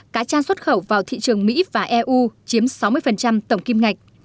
cá tra xuất khẩu vào thị trường mỹ và eu chiếm sáu mươi tổng kim ngạch